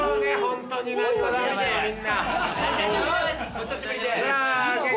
お久しぶりでーす！